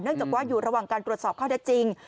เนื่องจากว่าอยู่ระหว่างการตรวจสอบเข้าได้จริง